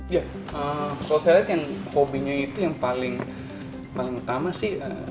ya kalau saya lihat yang hobinya itu yang paling utama sih